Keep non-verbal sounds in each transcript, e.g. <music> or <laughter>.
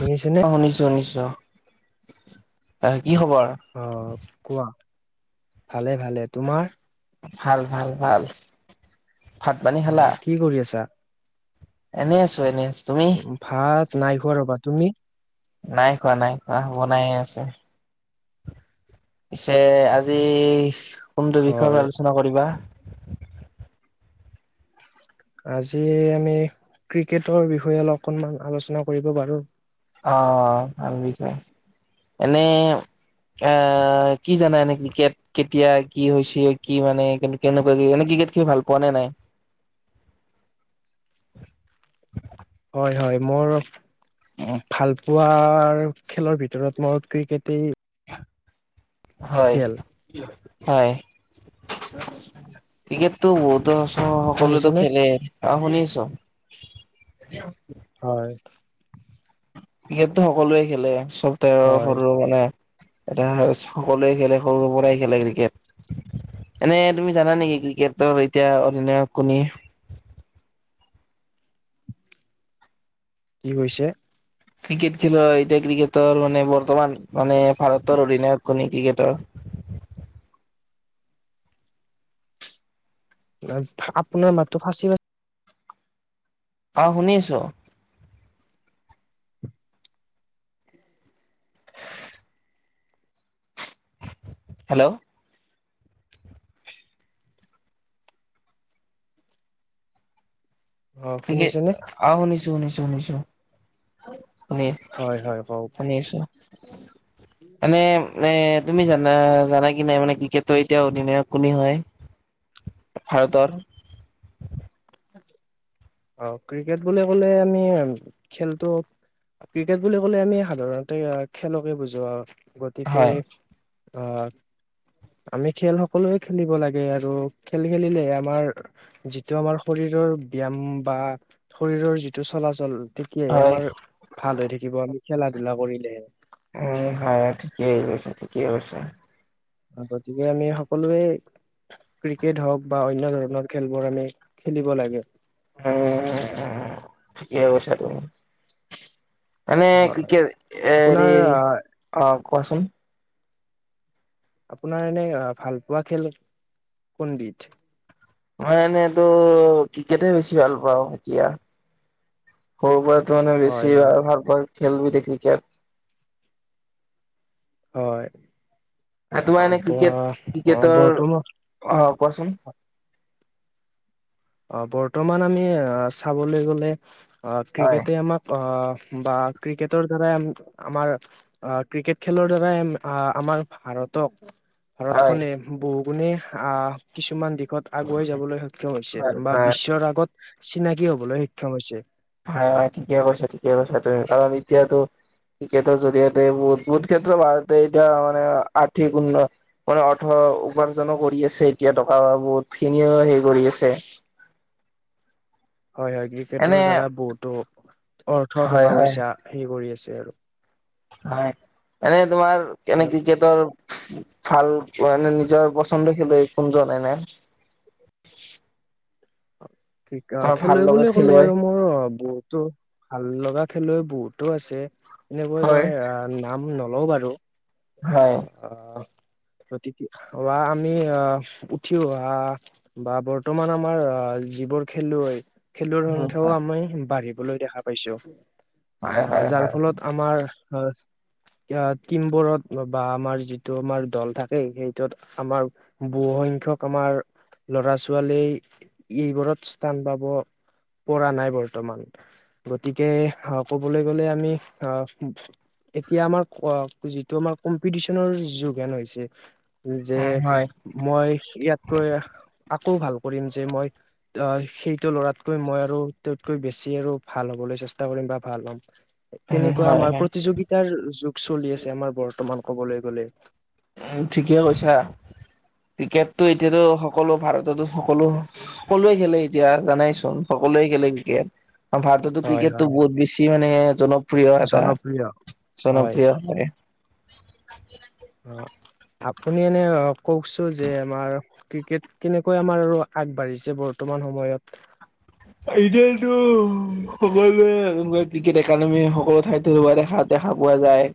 শুনিছেনে? অ শুনিছো শুনিছো এক অ কোৱা? ভালে ভালে তোমাৰ। ভাল ভাল ভাল। ভাত অ কি কৰি আছা? এনেই আছো এনেই আছো। তুমি? ভাত নাই খোৱা ৰ'বা। তুমি? নাই খোৱা নাই খোৱা বনাই আছে। পিছে আজি কোনটো বিষয়ত হয় আলোচনা কৰিবা? আজি আমি ক্ৰিকেটৰ বিষয়ে অলপ অকণমান আলোচনা কৰিব পাৰো। অ ভাল বুজিছা। এনেই- আহ কি জানা এনেকে ক্ৰিকেট কেতিয়া কি হৈছে কি মানে কেনেকুৱা কি? ক্ৰিকেট খেলি ভাল পোৱা নে নাই? হয় হয়। মোৰ ভাল পোৱাৰ খেলৰ ভিতৰত মোৰ ক্ৰিকেটেই হয় খেল হয়। ক্ৰিকেট তো ত' সকলোৱে টো শুনিছেনে? খেলে। অ শুনি আছো। হয়। ক্ৰিকেট টো সকলোৱে খেলে চব ত হয় সৰুৱে মানে এটা সকলোৱে খেলে সৰুৰ পৰাই খেলে ক্ৰিকেট। এনেই তুমি জানা নেকি ক্ৰিকেটৰ এতিয়া অধিনায়ক কোনে? কি কৈছে? ক্ৰিকেট খেলৰ এতিয়া ক্ৰিকেটৰ মানে বৰ্তমান মানে ভাৰতৰ অধিনায়ক- কোন ক্ৰিকেটৰ? আপোনাৰ মাতটো ফাচি ফাচ- অ শুনিছো। হেল্ল' অ' ক্ৰিকে শুনিছেনে? অ শুনিছো শুনিছো শুনিছো। শুনি হয় হয় কওক শুনিছো। এনে নে তুমি জানা জানা কি নাই মানে ক্ৰিকেটৰ এতিয়া অধিনায়ক কোনে হয়? ভাৰতৰ। অ ক্ৰিকেট বুলি ক'লে আমি খেলটো- ক্ৰিকেট বুলি ক'লে আমি সাধাৰণতে খেলকে বুজো আৰু। গতিকে হয় আ আমি খেল সকলোৱে খেলিব লাগে আৰু খেল খেলিলে আমাৰ যিটো আমাৰ শৰীৰ ব্যায়াম বা শৰীৰৰ যিটো চলাচল তেতিয়াহে হয় আমাৰ ভাল হৈ থাকিব আমি খেলা ধূলা কৰিলে হে। উম' হয় ঠিকেই কৈছা, ঠিকেই কৈছা। গতিকে আমি সকলোৱে ক্ৰিকেট হওক বা অন্য ধৰণৰ খেলবোৰ আমি খেলিব লাগে। উম, ঠিকেই কৈছা তুমি। মানে হয় ক্ৰিকেট আপোনাৰ হেৰি, আহ অঁ কোৱাচোন? আপোনাৰ এনেই ভাল পোৱা খেল কোন বিধ? মই এনেইটো ক্ৰিকেটে বেছি ভাল পাওঁ এতিয়া। সৰু পৰা ত' মানে হয় বেছি হয় আৰু ভাল পোৱা খেলবিধ ক্ৰিকেট। হয়। সেইটো মানে ক্ৰিকেট, ক্ৰিকেটৰ বৰ্তমান অ কোৱাচোন। অ বৰ্তমান আমি চাবলৈ গলে অ হয় ক্ৰিকেটে আমাক অ বা ক্ৰিকেটৰ দ্বাৰাই আমাৰ অ ক্ৰিকেট খেলৰ দ্বাৰাই আমাৰ ইহঁতক হয় ভাৰতখনে বহুগুণে আ কিছুমান দিশত আগুৱাই যাবলৈ সক্ষম হৈছে। হয় বা হয় বিশ্বৰ আগত চিনাকি হবলৈ সক্ষম হৈছে। হয়, হয়। ঠিকে কৈছা, ঠিকে কৈছা তই। কাৰণ এতিয়াতো ক্ৰিকেটৰ জৰিয়তে বহুত বহুত ক্ষেত্ৰত ভাৰতে এতিয়া মানে আৰ্থিক উন্ন মানে অৰ্থ উপাৰ্জনো কৰি আছে এতিয়া। টকা বহুত খিনিও হে কৰি আছে। <inaudible> হয়, হয়। এনে ক্ৰিকেটৰ দ্বাৰা বহুতো অৰ্থ হয় টকা হয় পইচা হে কৰি আছে আৰু। হয়, এনে তোমাৰ এনে ক্ৰিকেটৰ ভাল মানে নিজৰ পচন্দৰ খেলুৱৈ কোন জন এনে? <inaudible> অ ধৰ ভাল খেলুৱৈ লগা বুলি ক'লে খেলুৱৈ আৰু মোৰ বহুতো ভাল লগা খেলুৱৈ বহুতো আছে। এনেকৈ হয় মই নাম নলওঁ বাৰু। হয় অ। গতিকে বা আমি আ উঠি অহা বা বৰ্তমান আমাৰ আ যিবোৰ খেলুৱৈ খেলুৱৈৰ উম সংখ্যাও আমি বাঢ়িবলৈ দেখা পাইছো। হয় যাৰ ফলত আমাৰ টিমবোৰত বা আমাৰ যিটো আমাৰ দল থাকে সেইটোত আমাৰ ব হু সংখ্যাক আমাৰ লৰা ছোৱালীয়ে এইবোৰত স্থান পাব। পৰা নাই বৰ্তমান। গতিকে আ ক'বলৈ গলে আমি আ এতিয়া আমাৰ যিটো আমাৰ কম্পিটিচনৰ যোগ হেন হৈছে। যে উম হয় মই ইয়াতকৈ আকৌ ভাল কৰিম যে মই অ সেইটো ল'ৰাতকৈ মই আৰু তাতকৈ বেছি আৰু ভাল হ'বলৈ চেষ্টা কৰিম বা ভাল হ'ম। উম তেনেকুৱা হয় আমাৰ হয় প্ৰতিযোগিতাৰ যুগ চলি আছে আমাৰ বৰ্তমান কবলৈ গলে। ঠিকেই কৈছা। ক্ৰিকেটটো এতিয়াতো সকলো ভাৰততো সকলো সকলোৱে খেলে এতিয়া জানাই চোন। সকলোৱে খেলে ক্ৰিকেট। ভাৰততো হয় ক্ৰিকেটটো হয় বহুত বেছি মানে জন প্ৰিয় এটা জনপ্ৰিয় হয় জনপ্ৰিয় মানে অ। আপুনি এনে কওঁকচোন যে আমাৰ ক্ৰিকেট কেনেকৈ আমাৰ আৰু আগবাঢ়িছে বৰ্ত কিমান সময়ত এইটোৱেইটো। সকলোৱে ক্ৰিকেট একাডেমি সকলো ঠাইতে দেখা দেখা পোৱা যায়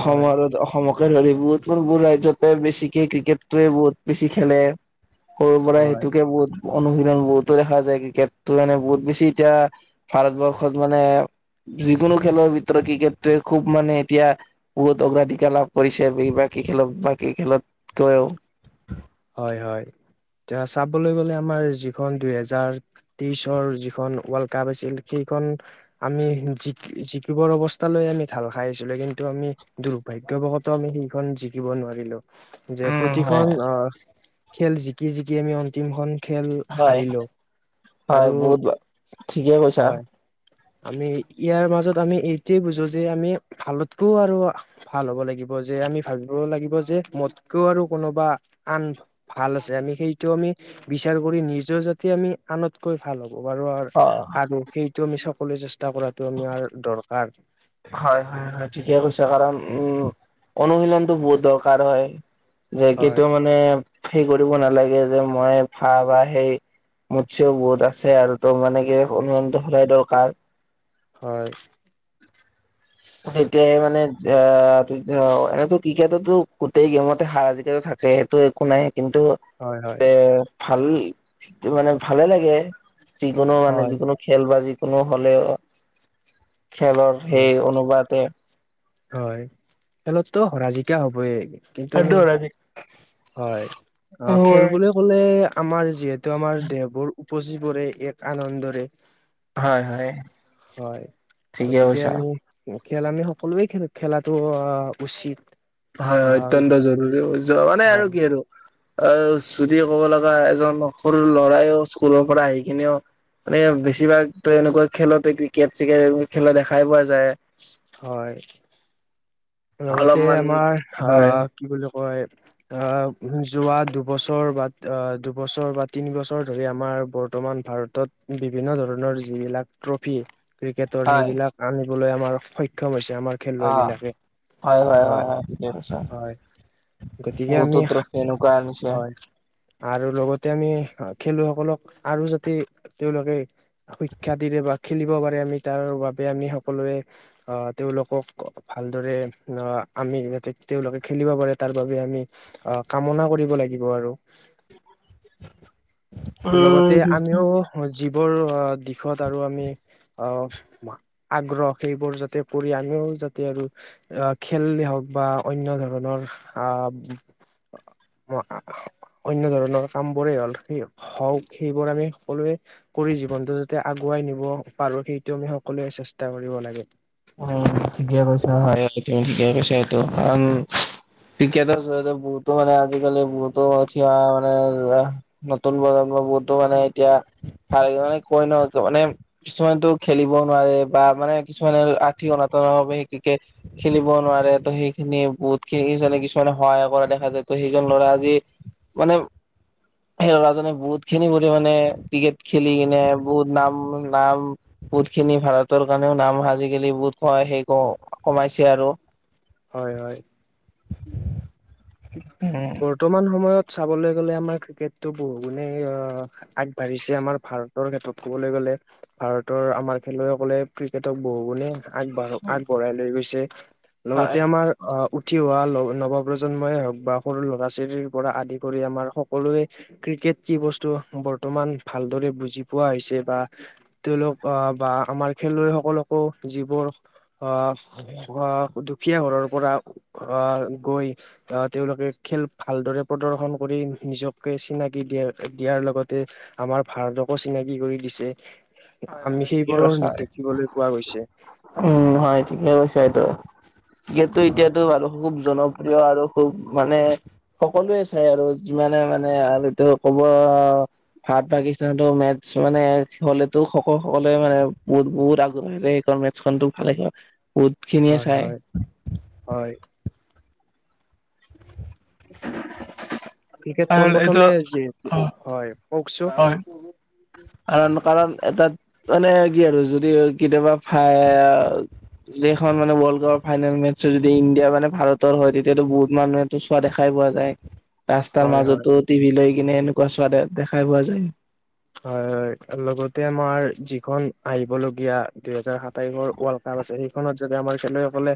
হয় অসমক <unintelligible> বেছিকে ক্ৰিকেটোয়ে বহুত বেছি খেলে। সৰুৰ পৰাই হয় সেইটোকে বহুত অনুশীলন বহুতো দেখা যায় ক্ৰিকেট ত'মানে বহুত বেছি এতিয়া ভাৰতবৰ্ষত মানে যিকোনো খেলৰ ভিতৰত ক্ৰিকেটটোৱে খুব মানে এতিয়া বহুত অগ্ৰাধিকাৰ লাভ কৰিছে বেছি ভাগ বাকী খেলত বাকী খেলত কৈও হয়- হয় তে চাবলৈ গলে আমাৰ যিখন দুইহেজাৰ তেইশৰ যিখন ৱৰ্ল্ড কাপ আছিল সেই সেইখন আমি জি- জিকিবৰ অৱস্থা লৈ আমি ঢাল খাই আহিছিলো কিন্তু আমি দুৰ্ভাগ্য বশত আমি সেইখন জিকিব নোৱাৰিলো যে উম হয় প্ৰতিখন অ খেল জিকি- জিকি আমি অন্তিম খন খেল হয় হাৰিলো হয় আৰু বহুত ঠিকে কৈছা হয় আমি ইয়াৰ মাজত আমি এইটোৱে বুজো যে আমি ভালতকৈ আৰু ভাল হ'ব লাগিব যে আমি ভাবিব লাগিব যে মোতকেও আৰু কোনোবা আন ভাল আছে। আমি সেইটো আমি বিচাৰ কৰি নিজৰ যাতে আমি আনতকৈ ভাল হব বাৰু আৰ অ আৰু সেইটো আমি সকলোৱে চেষ্টা কৰাটো আমি আৰ দৰকাৰ। হয়-হয়- হয় ঠিকে কৈছে কাৰণ উম অনুশীলনটো বহুত দৰকাৰ হয়। যে হয় কিটো মানে সেই কৰিব নালাগে যে, মই ভা বা সেই মুতছেও বহুত আছে আৰু ত' মানে কি অনুমানটো সদায় দৰকাৰ হয় তেতিয়াই মানে যা এতিয়াও এনে ক্ৰিকেটো গোতেই গেমতে হাৰা-জিকা টো থাক টো একো নাই। কিন্তু, হয় হয় এৰ ভাল মানে ভালে লাগে যিকোনো মানে হয় যিকোনো খেল বা যিকোনো হলে খেলৰ সেই হয় অনু হয়, খেলতটো হৰা -জিকা হবয়ে। কিন্তু, আমি হয় অহ খেল বুলি হয় ক'লে আমাৰ যিহেতু এইটো আমাৰ দেহবোৰ উপচি পৰে এক আনন্দৰে হয় <inaudible> হয়, ঠিকে গতিকে কৈছা আমি খেল আমি সকলোৱে খেলাটো অহ উচিত। হয়- হয় ভাল অত্যন্ত জৰুৰী মানে আৰু হয় কি আৰু অ', যদি ক'ব লগা এজন সৰু ল'ৰাইও স্কুলৰ পৰা আহি কিনেও মানে বেছিভাগ ত' এনেকুৱা খেলতে ক্ৰিকেট চিকেট এইবোৰ খেলা দেখাই পোৱা যায়। হয় লগতে অলপমান আমাৰ হয়। হাহ কি বুলি কয় অহ, যোৱা দুবছৰ বা অ দুবছৰ বা তিনি বছৰ ধৰি আমাৰ বৰ বৰ্তমান ভাৰতত বিভিন্ন ধৰণৰ যিবিলাক ট্ৰফি ক্ৰিকেটৰ হয় সেইবিলাক আনিবলৈ আমাৰ সক্ষম হৈছে আমাৰ খেলুৱৈ বিলাকে। হয়-হয়-হয়- হয় ঠিকে কৈছা হয় গতিকে আমি <unintelligible> হয়, আৰু লগতে আমি খেলুৱৈসকলক আৰু যাতে তেওঁলোকে শিক্ষা দিলে বা খেলিব পাৰে আমি তাৰ বাবে আমি সকলোৱে অহ তেওঁলোকক ভালদৰে আমিতে তেওঁলোকে খেলিব পাৰে তাৰ বাবে আমি অহ কামনা কৰিব লাগিব আৰু <inaudible> লগতে উম আমিও যিবোৰ দিশত আৰু আমি অহ আগ্ৰহ সেইবোৰ যাতে কৰি আমি যাতে আৰু আহ খেল হওক বা অন্য ধৰণৰ আহ <inaudible> অন্য ধৰণৰ কাম বোৰে হল। সে হওঁক সেইবোৰ আমি সকলোৱে কৰি জীৱনটো যাতে আগ আগুৱাই নিব পাৰো সেইটো আমি সকলোৱে চেষ্টা কৰিব লাগে। উম, ঠিকে কৈছা হয় আৰু তুমি ঠিক কৈছা এইটো কাৰন ক্ৰিকটৰ <unintelligible> বহুতো মানে আজিকালি বহুতো <unintelligible> মানে ধৰা নতুন প্ৰজন্ম বহুতো মানে এতিয়া ভাল মানে কৈ ন মানে কিছুমানটো খেলিব নোৱাৰে। বা মানে কিছুমানে অনাতনৰ ভাৱে সেই ক্ৰিকেট খেলিব নোৱাৰে ত' সেইখিনি বহুতনে কিছুমানে সহায় কৰে দেখ- খা যায় ত সেইজন ল'ৰা আজি মানে মানে সেই ল'ৰাজনে বহুত খিনি কৰি মানে ক্ৰিকেট খেলি কিনে বহুত নাম নাম বহুত খিনি ভাৰতৰ কাৰণেও নাম আজিকালি বহুত ক সেই ক কমাইছে আৰু। হয়, হয়। উম বৰ্তমান সময়ত চাবলৈ গ'লে আমাৰ ক্ৰিকেটো বহু গুণে আগবাঢ়িছে আমাৰ ভাৰতৰ ক্ষেত্ৰত ক'বলৈ গ'ল- ভাৰতৰ আমাৰ খেলুৱৈসকলে ক্ৰিকেটক বহু গুণে আগবঢ়ো আগবঢ়াই লৈ গৈছে। লগতে হয় আমাৰ আহ উঠি অহা নৱপ্ৰজ- প্ৰজন্মই হওক বা সৰু ল'ৰা-ছোৱালী পৰা আদি কৰি আমাৰ সকলোৱে ক্ৰিকেট কি বস্তু বৰ্ত- বৰ্তমান ভালদৰে বুজি পোৱা হৈছে বা তেওঁলোক আহ বা আমাৰ খেলুৱৈসকলকো- যিবোৰ আহ দুখীয়া ঘৰৰ পৰা আহ গৈ আহ তেওঁলোকে খেল ভালদৰে প্ৰদৰ্শন কৰি নিজকে চিনাকি দিয়া দিয়াৰ লগতে আমাৰ ভাৰতকো চিনাকি কৰি দিছে। হয় আমি হয় ঠিকে সেইবোৰো কৈছা হয় দেখিবলৈ পোৱা গৈছে। উম, ইয়াটো হয় এতিয়াতো মানু <unintelligible> জনপ্ৰিয় আৰু খুব মানে সকলোৱে চাই আৰু যিমানে মানে আটো ক'ব। অ ভাৰত পাকিস্তানতো মেটছ মানে হ'লে, তো শখ সকলে মানে বহুত বহুত আগ্ৰহেৰে সেইখন মেটছখনটো ভালে ক হয় হয় হয়। <inaudible> ক্ৰিকেট আৰু পোন এইটো প্ৰথমে যিহেতু অ' হয় কওকচোন। তাত মানে কি আৰু যদি কেতিয়াবা ফাই খন মানে ৱৰ্ল্ড কাপৰ ফাইনেল মেচছ যদি ইণ্ডিয়াানে ভাৰতৰ হয় তেতিয়াতো বহুত মানুহেতো চোৱা দেখাই পোৱা যায়। ৰাস্তাৰ হয় হয় মাজতো টিভি লৈ কিনে এনেকুৱা চোৱা দে দেখা পোৱা যায়। হয় হয়। লগতে আমাৰ যিখন আহিবলগীয়া দুহেজাৰ সাতাইশৰ ৱৰ্ল্ড কাপ আছে সেইখনত যাতে আমাৰ খেলুৱৈসকলে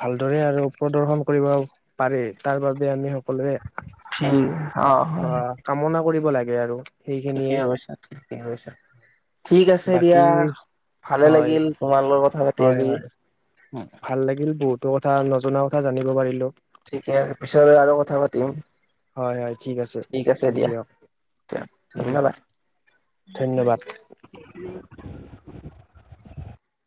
ভালদৰে আৰু প্ৰদৰ্শন কৰিব পাৰে, তাৰ বাবে আমি সকলোৱে অ কামনা কৰিব লাগে আৰু। সেইখিনিয়েই ঠিকেই কৈছা ঠিকেই কৈছা। ঠিক আছে বাকী দিয়া ভালে হয় লাগিল তোমাল লগৰ কথা পাতি হয় আজি। হয় ভাল লাগিল বহুতো কথা নজনা কথা জানিব পাৰিলো। ঠিকে পিছত আৰু কথা পাতিম। হয় হয় ঠিক আছে আছে দিয়া দিয়ক উম। ধন্যবাদ। ধন্যবাদ <unintelligible>